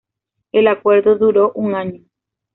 El acuerdo duró un año.